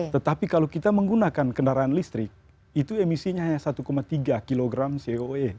tetapi kalau kita menggunakan kendaraan listrik itu emisinya hanya satu tiga kg cooe